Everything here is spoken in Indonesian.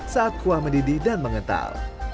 saat kuah mendidih dan mengental